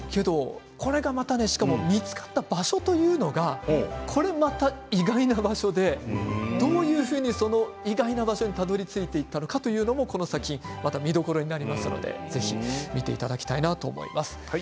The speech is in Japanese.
これがまた見つかった場所というのはこれまた意外な場所でどういうふうに意外な場所にたどりついていったのかというのも、この先また見どころになりますのでぜひ見ていただきたいなと思います。